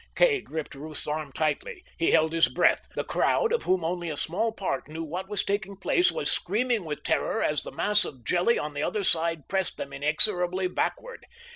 Kay gripped Ruth's arm tightly. He held his breath. The crowd, of whom only a small part knew what was taking place, was screaming with terror as the mass of jelly on the other side pressed them inexorably backward.